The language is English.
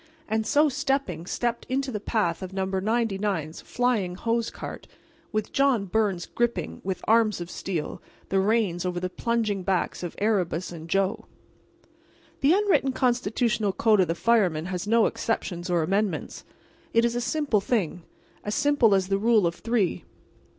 And so stepping, stepped into the path of No. 99's flying hose cart, with John Byrnes gripping, with arms of steel, the reins over the plunging backs of Erebus and Joe. The unwritten constitutional code of the fireman has no exceptions or amendments. It is a simple thing—as simple as the rule of three.